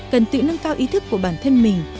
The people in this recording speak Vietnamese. cần tự nâng cao ý thức của bản thân mình